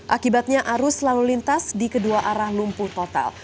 akibatnya arus lalu lintas di kedua arah lumpuh total